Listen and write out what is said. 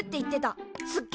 すっげ！